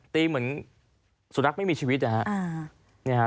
เหมือนสุนัขไม่มีชีวิตนะฮะ